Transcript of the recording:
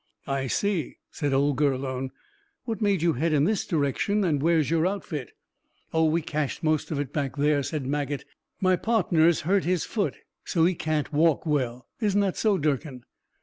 "I see," said old Gurlone. "What made you head in this direction, and where's your outfit?" "Oh, we cached most of it back there," said Maget. "My partner's hurt his foot, so he can't walk well. Isn't that so, Durkin?"